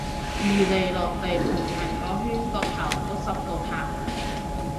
二嚟落地盤行個圈個頭都濕到塌